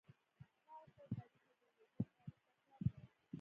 ما ورته د تاریخ او جغرافیې تعریف تکرار کړ.